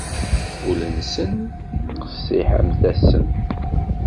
Ul-nsen qessiḥ am tassemt.